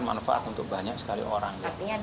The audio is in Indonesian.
ini akan memberikan manfaat untuk banyak sekali orang